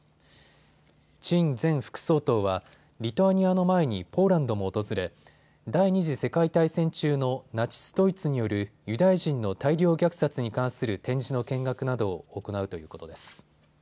陳前副総統はリトアニアの前にポーランドも訪れ第２次世界大戦中のナチス・ドイツによるユダヤ人の大量虐殺に関する展示の見学などを行うということです。